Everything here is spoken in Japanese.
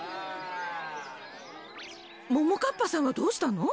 ももかっぱさんはどうしたの？